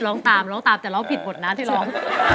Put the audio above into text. ร้องตามร้องตามแต่ร้องผิดหมดนะที่ร้อง